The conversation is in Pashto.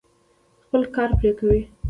خپل کار پرې کوي.